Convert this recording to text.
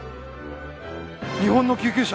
日本の救急車。